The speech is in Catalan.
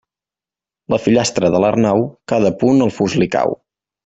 La fillastra de l'Arnau, cada punt el fus li cau.